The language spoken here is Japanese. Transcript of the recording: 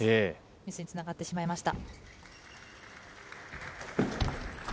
ミスにつながってしまいました。